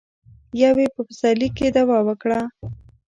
يو يې په پسرلي کې دعوه وکړه.